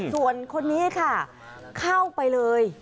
ส่วนคนนี้ค่ะเข้าไปเลย